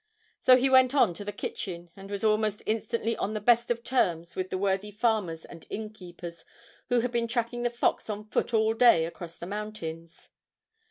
So he went on to the kitchen and was almost instantly on the best of terms with the worthy farmers and innkeepers, who had been tracking the fox on foot all day across the mountains.